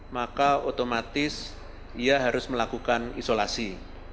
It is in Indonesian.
maka otomatis ia harus melakukan isolasi